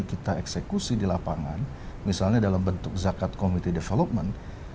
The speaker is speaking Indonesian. kita eksekusi di lapangan misalnya dalam bentuk zakat committee development